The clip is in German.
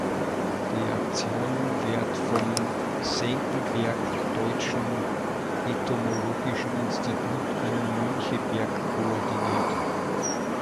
Die Aktion wird vom Senckenberg Deutschen Entomologischen Institut in Müncheberg koordiniert.